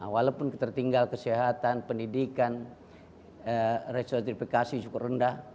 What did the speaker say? walaupun tertinggal kesehatan pendidikan resertifikasi cukup rendah